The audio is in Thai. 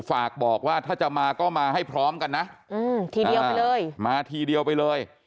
ฝากบอกว่าถ้าจะมาก็มาให้พร้อมกันนะอืมทีเดียวไปเลยมาทีเดียวไปเลย